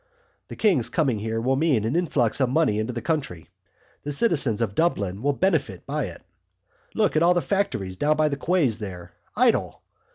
The King's coming here will mean an influx of money into this country. The citizens of Dublin will benefit by it. Look at all the factories down by the quays there, idle!